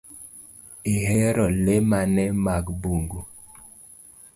Ihero le mane mar bungu?